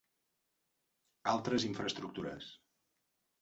Altres infraestructures.